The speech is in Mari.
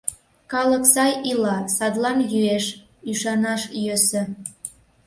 «Калык сай ила, садлан йӱэш...» — ӱшанаш йӧсӧ.